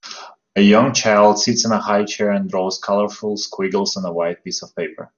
A young child sits in a highchair and draws colorful squiggles on a white piece of paper.